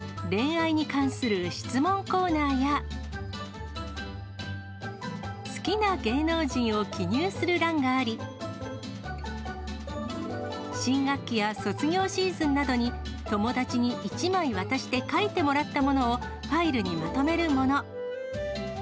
中の用紙には、名前や電話番号のほかにも、恋愛に関する質問コーナーや、好きな芸能人を記入する欄があり、新学期や卒業シーズンなどに、友達に１枚渡して書いてもらったものを、ファイルにまとめるもの。